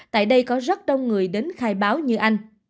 tại đây có rất đông người đến khai báo như anh